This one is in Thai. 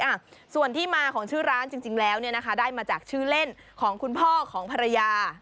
อ่ะส่วนที่มาของชื่อร้านจริงจริงแล้วเนี่ยนะคะได้มาจากชื่อเล่นของคุณพ่อของภรรยา